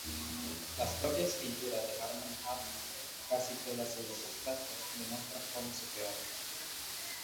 Las propias pinturas de Harmony Hammond, casi todas ellas abstractas, demuestran cómo se crearon.